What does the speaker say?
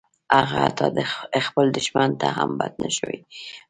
هغه حتی خپل دښمن ته هم بد نشوای ویلای